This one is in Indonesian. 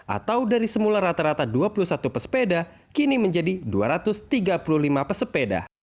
atau dari semula rata rata dua puluh satu pesepeda kini menjadi dua ratus tiga puluh lima pesepeda